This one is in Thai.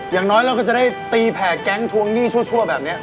อย่างน้อยเราก็จะได้ตีแผ่แก๊งทวงหนี้ชั่วแบบนี้